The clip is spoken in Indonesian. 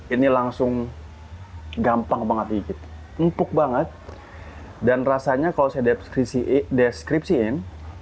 ini langsung gampang banget dikit empuk banget dan rasanya kalau saya deskripsiin